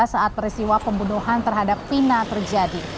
saat perisiwa pembunuhan terhadap vina terjadi